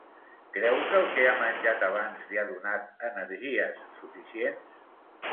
Creu que el que ha menjat abans li ha donat energies suficients?